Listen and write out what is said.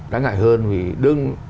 đáng ngại hơn vì đương